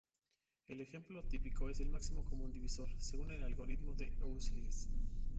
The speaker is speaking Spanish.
El ejemplo típico es el Máximo común divisor, según el algoritmo de Euclides.